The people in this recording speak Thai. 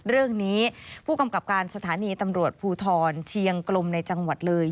เรื่องนี้ผู้กำกับการสถานีตำรวจภูทรเชียงกลมในจังหวัดเลย